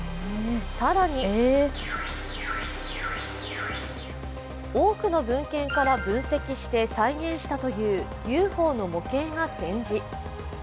更に多くの文献から分析して再現したというＵＦＯの模型が展示。